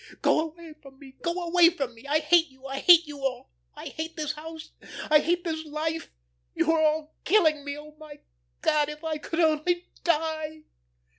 Go away from me; go away from me. I hate you; I hate you all. I hate this house, I hate this life. You are all killing me. Oh, my God, if I could only die!"